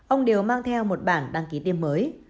ông đều mang theo một bản đăng ký tiêm mới